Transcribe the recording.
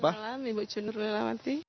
selamat malam ibu cunurlelawati